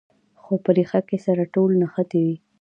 خو په ریښه کې سره ټول نښتي وي.